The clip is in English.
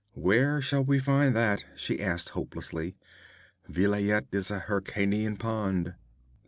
'Where shall we find that?' she asked hopelessly. 'Vilayet is an Hyrkanian pond.'